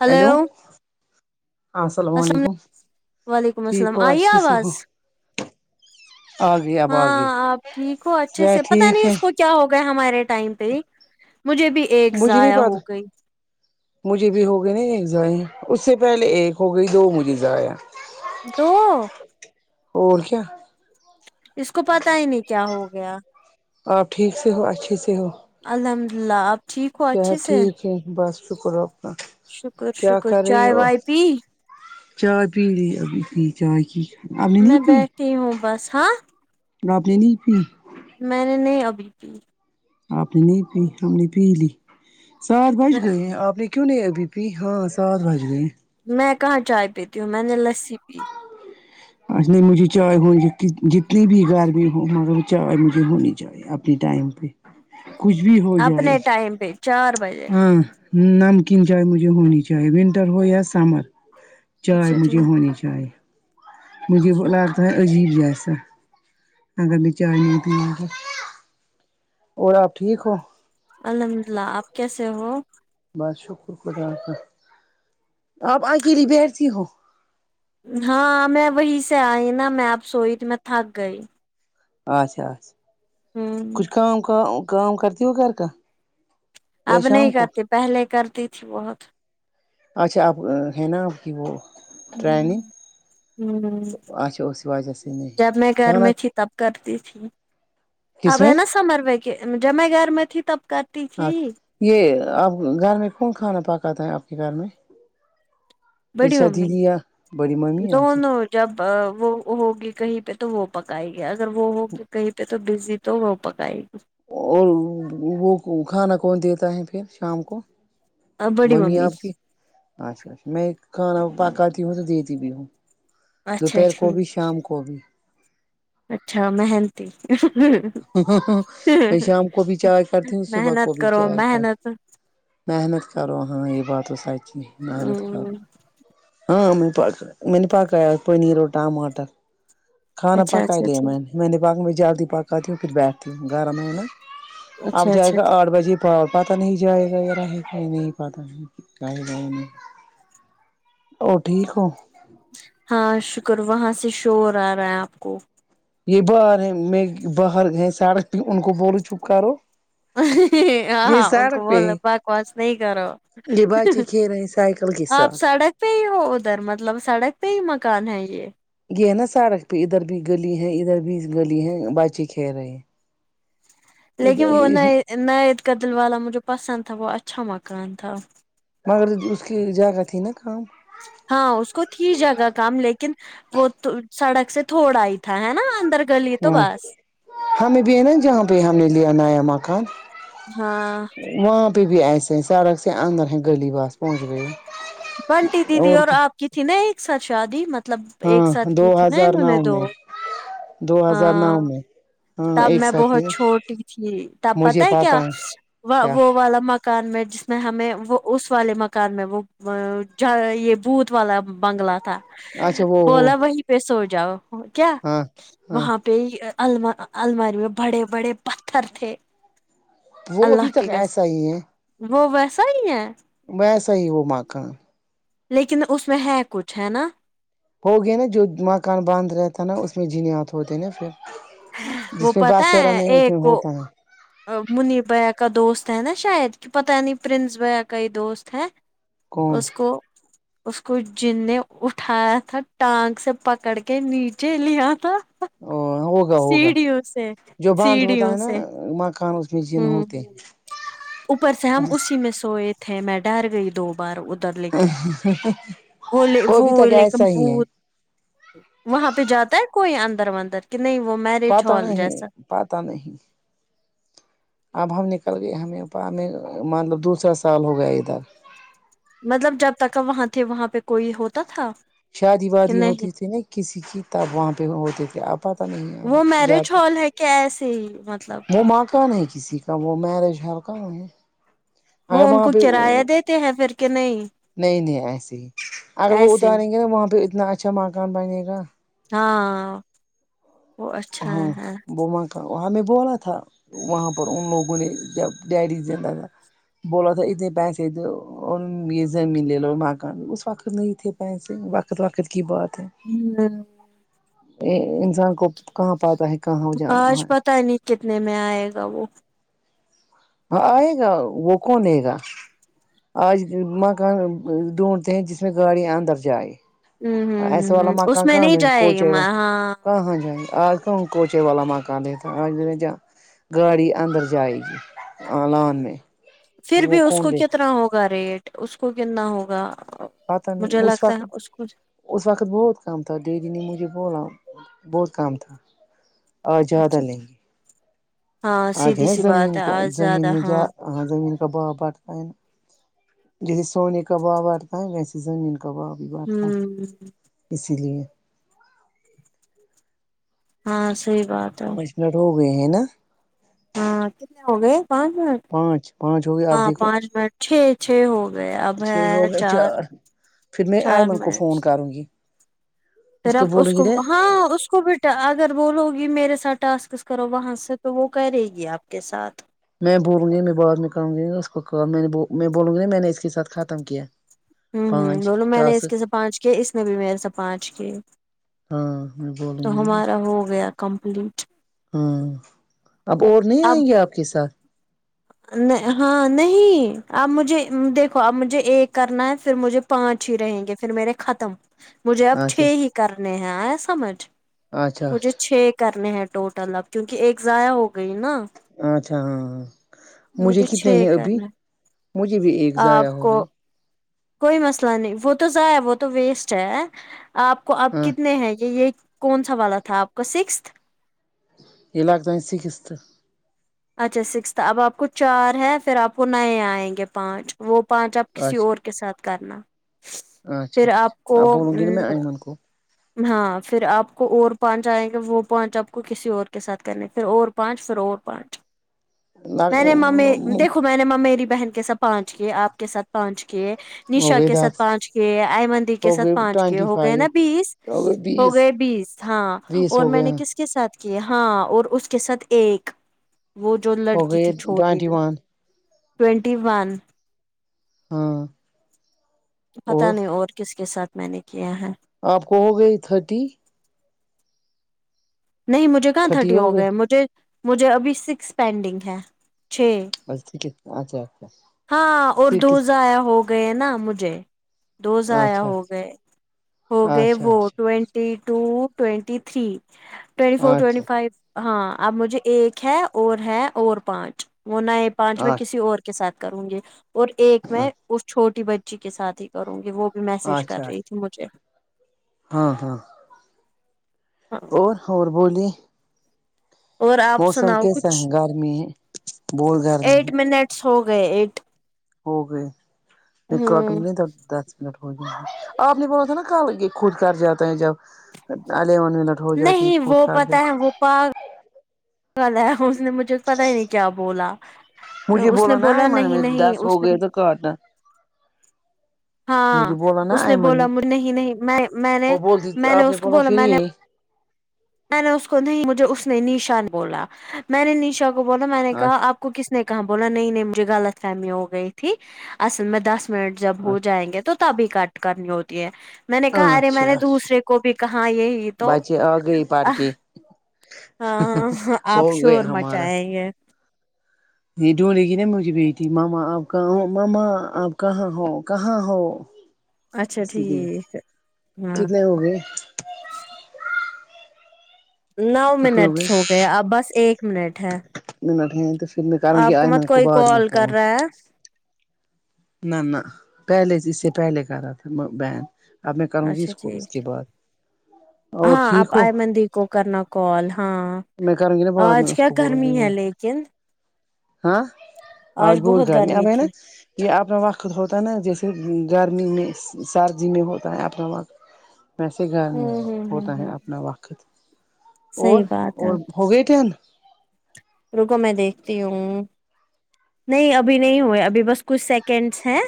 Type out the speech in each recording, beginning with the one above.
hello ہاں السلام عل علیکم وعلیکم ٹھیک السلام ہو آئی اچھے سے ہو آواز ہاں آپ ٹھیک ہو اچھے میں سے پتا ٹھیک نہیں ہے اس کو کیا ہو گیا ہمارے ٹائم پہ مجھے بھی ایک مجھے نہیں ضائع ہو پتا گئی مجھے بھی ہو گئے نا ایک ضائع اس سے پہلے ایک ہو گئی دو مجھے ضائع دو اور کیا اس کو پتا ہی نہیں کیا ہو گیا آپ ٹھیک سے ہو اچھے سے ہو الحمد اللہ آپ ٹھیک ہو اچھے صحت سے ٹھیک بس شکر ہو اپ کا شکر کیا شکر کر رہی چائے ہو وائے پی چائے پی لی ابھی پی چائے کی آپ نے نہیں میں پی بیٹھی ہوں بس ہاں آپ نے نہیں پی میں نے نہیں ابھی پی آپ نے نہیں پی ہم نے پی لی سات بج میں گئے آپ نے کیوں نہیں ابھی پی ہاں سات بج گئے میں کہاں چائے پیتی ہوں میں نے لسی پی نہیں مجھے چائے ہو ج جتنی بھی گرمی ہو مگر وہ چائے مجھے ہونی چاہی اپنی ٹائم پہ کچھ بھی ہو جائے اپنے ٹائم پہ چار بجے ہاں نمکین چائے مجھے ہونی چاہیے ونٹر ہو یا سمر چائے اچھا مجھے ٹھیک ہونی چاہیے مجھے تو لگتا ہے عجیب جسا اگر میں چائے نہیں پیون گی اور آپ ٹھیک ہو الحمد اللہ آپ کیسے ہو بس شکر خدا کا آپ اکیلی بیٹھتی ہو ہاں میں وہیں سے آئی نا میں آپ سوئی تو میں تھک گئی آچھا اچھا ہوں کچھ کام کام کام کرتی ہو گھر کا یا اب شام نہیں کو کرتی پہلے کرتی تھی بہت اچھا اب ہے نہ آپ کی وہ ٹریننگ ہوں اچھا اسی وجہ سے نہیں جب میں گھر کھانا میں تھی تب کرتی تھی کس اب میں ہے نا سمر ویکے جب میں گھر میں تھی تب کر اب یہ اب گھر میں کون کھانا پکاتا ہے آپ کے گھر میں بڑی ارشا ممی دیدی یا بڑی مامی آج دونوں جب وہ ہوگی کہیں پہ تو وہ پکائے گی اگر وہ ہوگی کہیں پہ تو بزی تو وہ پکائے گی اور وہ کو کھانا کون دیتا ہے پھر شام کو گی بڑی ممی آپ کی اچھا اچھا میں کھانا پکاتی ہوں تو دیتی بھی ہوں اچھا دوپہر کو بھی ٹھیک شام کو بھی اچھا مہنتی میں شام کو بھی چائے کرتی ہوں صبح کو محنت بھی کرو چائے کر محنت محنت کرو ہاں یہ بات تو سچ ہی ہ محنت کرو ہاں پ میں نے پکایا پنیر اور ٹماٹر کھانا اچھا پکا اچھا لیا اچھا میں نے میں نے بعد میں جلدی پکاتی ہوں پھر بیٹھتی ہوں گھر میں ہے نہ آب اچھا جائے اچھا گا آٹھ بجے پتا نہیں جائے گا یا رہے گا ہی نہیں پتا نہیں جاںے گا نہیں اور ٹھیک ہو ہاں شکر وہاں سے شور آ رہا ہے آپ کو یہ باہر ہیں میں باہر گئے سڑک پہ ان کو بولو چپ کرو ہاں یہ ہاں ان کو سڑک پہ بولو بکواس نہیں کرو یہ بچے کھیل رہے ہیں سائیکل کے ساتھ پے ہو ادھر مطلب سڑک پے ہی مکان ہے یہ یہ ہے نا سڑک پہ ادھر بھی گلی ہے ادھر بھی گلی ہے بچے کھیل رہے ہیں لیکن وہ ادھر نئے نئے یدقل والا مجھے پسند تھا وہ اچھا مکان تھا مگر اس کی جگہ تھی نا کم ہاں اس کو تھی جگہ کم لیکن وہ تو سڑک سے تھوڑ ہی تھا ہے نا اندر گلی تو ہاں بس ہمیں بھی ہے نا جہاں پہ ہم نے لیا نیا مکان ہاں تو بھی ایسے سڑک سے اندر ہیں گلی بس پہنچ گئے ہیں بنٹی دیدی اور آپ کی تھی نا ایک ساتھ شادی مط لب ایک ہاں ساتھ دو کی تھی نا ہزار انہوں نو نے دو میں دو ہزار نو ہاں میں ہاں تب ایک میں ساتھ ہی بہت چھوٹی تھی تب مجھے پتہ ہے پاتا کیا وا کیا وہ والا م کان میں جس میں ہمیں وہ اس والے مکان میں وہ ہ ج یہ بھوت والا بنگلہ تھا اچھا وہ وہ بولا وہیں پہ سو جاؤ کیا ہاں ہاں وہاں پہ الما الماری میں بڑے بڑے پتھر تھے وہ ابھی اللہ کے تک ایسا ہی ہے قسم وہ ویسا ہی ہے ویسا ہی وہ مکان لیکن اس میں ہے کچھ ہے نا ہو گیا نا جو مکان بند رہتا نا اس میں جنات ہوتے نا پھر جس وہ میں بسیرا نہیں اس میں ہوتا ہے منیب بھیا کا دوست ہے نا شاہد کہ پتہ نہیں پرنس بھیا کا ہی دوست ہے کون اس کو اس کو جن نے اٹھایا تھا ٹانگ سے پکڑ کے نیچے لیا تھا ہوگا ہوگا سیڑیوں سے جو باندھ ہوتا سیڑیوں ہے نا سے مکان اس کی ہ ہ اوپر سے ہم ہیں اسی میں سوئے تھے میں ڈر گئی دو بار ار لیکن وہ لے وہ ابھی تک لیکن ایسا ہی ہے پت وہاں پہ جاتا ہے کوئی اندر وندر کہ نہیں وہ میرج ہال جیسا پتہ نہیں اب ہم نکل گئے ہمیں پورنے مطلب دوسرا سال ہو گیا ادھر مطلب جب تک وہاں تھے وہاں پہ کوئی ہوتا تھا شادی کہ وادی ہوتی نہیں تھی نا کسی کی تب وہاں پہ ہوتے تھے اب پتہ نہیں جاتے کیسے ہی مطلب وہ ماںکان ہے کسی کا وہ میرج ہال کہاں ہے وہ اگر ان وہاں کو پہ کرایہ دیتے ہیں پھر کہ نہیں نہیں نہیں ایسے ہی اگر وہ ایسے اتاریں ہی گے نا وہاں پہ اتنا اچھا مکان بنے گا ہاں وہ اچھا ہاں ہیں بوما ہمیں بولا تھا وہاں پر ان لوگوں نے جب ڈیڈی زندہ تھا بولا تھا اتنے پیسے دو اور یہ زمین لے لو مکان اس وقت نہیں تھے ویسے ہی وقت وقت کی بات ہے ہوں ا انسان کو کہاں پاتا ہے کہاں آج جانا ہے پتا نہیں کتنے میں آئے گا وہ وہ آئے گا وہ کون لے گا آج مکان ڈھونڈتے ہیں جس میں گاڑی اندر جائے ہوں ہوں ایسے ہوں والا ہوں اس مکان میں کہاں نہیں مل جائے کوچ گی ہے وہ میں ہاں کہاں جائے آج تو ہم کوچے والا مکان لیتا آج لے ج گاڑی اندر جائے گی لان میں پھر بھی وہ اس کو کون دے کتنا ہوگا ریٹ اس کو کتنا ہوگا پتہ نہیں مجھے لگتا وقت ہے اس کو اس وقت بہت کام تھا دیدی نے مجھے بولا بہت کام تھا آج زیادہ اچھا لیں گے ہاں آج سیدھی ہے سی زمین بات ہے کا آج زمین زیادہ میں جا ہاں زمین کا بھاؤ بڑھتا ہے نہ جیسے سونے کا بھاؤ بڑھتا ہے ویسے زمین کا بھاؤ بھی بڑھتا ہے ہوں اسی لیے ہاں صحیح بات ہے پانچ منٹ ہو گئے ہیں نا ہاں کتنے ہو گئے پانچ منٹ پانچ پانچ ہو گئے آپ ہاں دیکھو پانچ منٹ چھ چھ ہو گئے اب ہے چھ ہو گئے چار پھر میں چار ایئمن کو منٹ فون کروں گی پھر آپ اس بولوں گی کو ن ہاں اس کو بیٹا اگر بولو گی میرے ساتھ ٹاسکس کرو وہاں سے تو وہ کرے گی آپ کے ساتھ میں بولنے میں بہت نکمی ہو اس کو کال میں نے بول میں بولوں گی میں نے اس کے ساتھ ختم کیا ہمم ہمم پانچ بولو میں نے اس ٹاسک کے سے پانچ کیے اس نے بھی میرے سے پانچ کیے ہاں بول تو ہمارا ہو گیا کمپلیٹ ہاں اب اور نہیں آئیں گے آپ کے ساتھ نہ ہاں نہیں اب مجھے دیکھو اب مجھے ایک کرنا ہے پھر مجھے پانچ ہی رہیں گے پھر میرے ختم مجھے اب چھ اچھا ہی کرنے ہیں آیا سمجھ اچھا مجھے اچھا چھ کرنے ہیں ٹوٹل اب کیونکہ ایک ضائع ہو گئی نا اچھا ہاں مجھے کتنے چھ ہیں ابھی کرنا ہے مجھے بھی ایک ضائع آپ ہو کو گئی کوئی مسئلہ نہیں وہ تو ضائع وہ تو ویسٹ ہے آپ کو اب ہاں کتنے ہیں یہ یہ کون سا والا تھا آپ کا سکستھ یہ لگتا ہے سکست تھا اچھا سکستھ اب آپ کو چار ہے پھر آپ کو نئے آئیں گے پانچ وہ پانچ اپ کسی اچھا اور کے ساتھ کرنا پھر اچھا آپ کو اچھا بولوں گی نا میں امم ایئمن کو ہاں پھر آپ کو اور پانچ آئیں گے وہ پانچ آپ کو کسی اور کے ساتھ کرنے پھر اور پانچ پھر اور پانچ میں نے ممی دیکھو میں نے ممیری بہن کے ساتھ پانچ کیے آپ کے ساتھ پانچ کیے ہو نشا گئے کے ساتھ دس پانچ کیے آئمن دی کے ہو گئے ساتھ پانچ کیے ٹوینٹی ہو گئے فائیو نا بیس گئے ہو بیس گئے بیس ہاں بیس اور ہو میں گئے نے ہیں کس کے ساتھ کی ہاں اور اس کے ساتھ ایک وہ جو ہو لڑکی گئے تھی چھوٹی ٹوینٹی ون ٹوئنٹی ون ہاں پتا نہیں اور کس کے ساتھ میں نے کیا ہے آپ کو ہو گئی تھرٹی نہیں مجھے کہاں تھرٹی ہو گئے مجھے مجھے ابھی سکس پینڈنگ ہے چھ بس ٹھیک ہے اچھا ہاں اور دو سکس ضائع ہو گئے نا مجھے دو ضائع اچھا ہو گئے ہو گئے اچھا وہ اچھا twenty two twenty three twenty four twenty اچھا فائیو ہاں اب مجھے ایک ہے اور ہے اور پانچ وہ نئے پانچ میں کسی اچھا اور کے ساتھ کروں گی اور ایک میں اس چھوٹی بچی کے سات ہی کروں گی وہ بھی اچھا میسج کر اچھا رہی مجھے ہاں ہاں ہاں اور اور بولیے اور آپ موسم سناؤ کیسا کچھ ہے گرمی ہے بہت گرمی ہے ایٹ منٹس ہو گئے ایٹ ہو گے میں کاٹو ہوں نگا جب دس منٹ ہوجاۓ آپ نے بولا تھا نا کل یہ خود کر جا تو جب الیون منٹ ہو جاتی ہے نہیں خود وہ کاٹ پتہ ہے جاتی وہ پارک والا اس نے مجھے پتا ہی نہیں کیا بولا اس نے بولا نہیں نہیں اس نے کرنا ہاں بولا نا اس نے ایمن بولا نہیں نہیں میں میں نے وہ بولتی میں نے آپ اس کو بولا پھر میں نے یہی میں نے اس کو نہیں مجھے اس نے نشا بولا میں نے نشا کو بولا میں نے کہا اچھا آپ کو کس نے کہا بولا نہیں نہیں مجھے غط فہمی ہو گئی تھی اصل میں دس منٹ جب ہو جائیں گے تو تبھی کٹ کرنی ہوتی ہے میں نے کہا ارے میں اچھا نے اچھا دوسرے کو بھی کہا یہی تو بچے آ گئے پڑھ کے ہاں ہو آپ گئے شور ہمارا مچائیں یہ یہ ڈونڈے گی نہ مجھے بیٹی ماما آپ کہاں ماما آپ کہاں ہو کہاں ہو اچھا اسی لیے ٹھیک ہے ہاں کتنے ہو گئے نو منٹس ہو گئے اب بس ایک منٹ ہے منٹ ہیں پھر میں کر گی آئمن کوبعد میں فون ہاں نہ نہ پہلے اس پہلے کرا تھا بین اب میں کروں گی اچھا اس کو ٹھیک اس کے بعد اور ہاں ٹھیک آپ ہو آئیمن دی کو کرنا کال ہاں میں کروں گی نا بعد آج میں اس کیا کو بولوں کرنی گی ہے مجھے لیکن ہاں آج بہت گرمی اب ہے نا یہ اپنا وقت ہوتا ہے نا جیسے گرمی میں سردی میں ہوتا ہے اپنا وقت ویسے گھر میں ہوں ہوں ہوں ہوتا ہے ہوں اپنا وقت اور صحیح بات ہے اور ہو گئے ٹین رکو میں دیکھتی ہوں نہیں ابھی نہیں ہوئے ابھی بس کچھ سکنٹ نٹس ہیں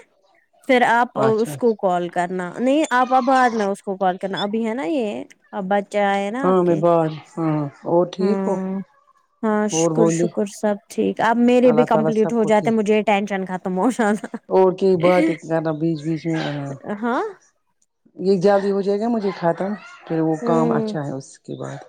پھر آپ اچھا اس کو اچھا کال کرنا نہیں آپ اب بعد میں اس کو کال کرنا ابھی ہے نا یہ اب بچے آئے نا آپ ہاں میں کے بعد ہاں اور ٹھیک ہو ہاں ہاں اور شکر بولی شکر سب ٹھیک اب میرے بھی اللہ تعالی کمپلیٹ سب ہو کو جاتے ٹھیک مجھے یہ ٹینشن ختم ہو جاتا زیادہ بیچ بیچ میں رہاں ہاں یہ جلدی ہو جائے گا مجھے ختم پھر وہ کام ہوں اچھا ہے اس کے بعد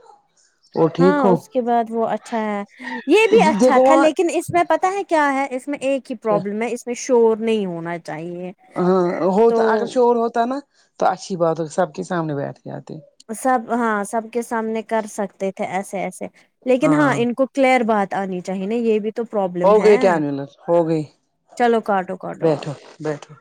اور ہاں ٹھیک ہو اس کے بعد وہ اچھا ہے یہ بھی اچھا دیکھو تھا وہاں لیکن اس میں پتاہ ہے کیا ہے اس میں ایک ہی کیا پرابلم ہے اس میں شور نہیں ہونا چاہیے ہاں تو ہوتا اگر شور ہوتا نا تو اچھی بات ہو سب کے سامنے بیٹھ جاتے سب ہاں سب کے سامنے کر سکتے تھے ایسے ایسے لیکن ہاں ان کو کلیئر بات آنی چاہی نا یہ بھی تو پرابلم ہو ہے گئی [unintelligible] ہو گئی چلو کاٹو کاٹو آپ بیٹھو بیٹھو